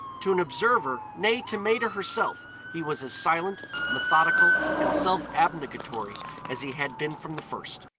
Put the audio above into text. To an observer, nay, to Maida herself, he was as silent, methodical and self abnegatory as he had been from the first.